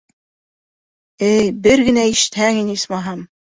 Эй, бер генә ишетһәң ине, исмаһам.